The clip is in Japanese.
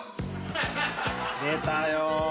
出たよ。